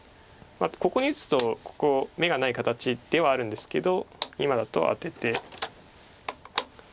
あとここに打つとここ眼がない形ではあるんですけど今だとアテて。